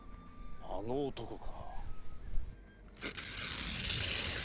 あの男か。